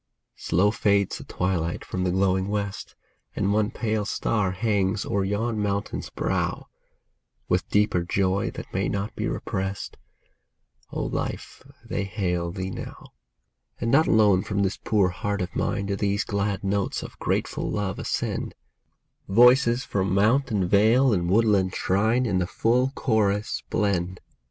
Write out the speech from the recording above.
Slow fades the twilight from the glowing west, And one pale star hangs o'er yon mountain's brow ; With deeper joy, that may not be repressed, O Life, they hail thee now ! And not alone from this poor heart of mine Do these glad notes of grateful love ascend ; Voices from mount and vale and woodland shrine In the full chorus blend.